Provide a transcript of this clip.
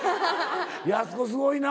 やす子すごいな。